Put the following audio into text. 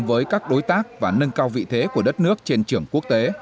với các đối tác và nâng cao vị thế của đất nước trên trường quốc tế